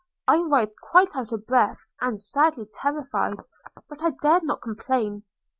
I arrived quite out of breath, and sadly terrified, but I dared not complain.